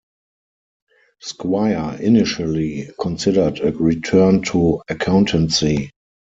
Squire initially considered a return to accountancy.